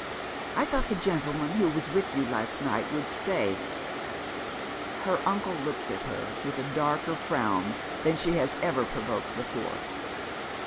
I thought the gentleman who was with you last night would stay ." Her uncle looks at her with a darker frown than she has ever provoked before.